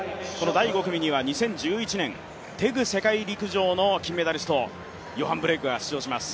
第５組には２０１１年テグ世界陸上の金メダリストヨハン・ブレイクが出場します。